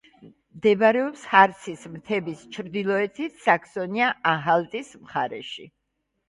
მდებარეობს ჰარცის მთების ჩრდილოეთით, საქსონია-ანჰალტის მხარეში.